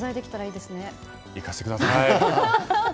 行かせてください！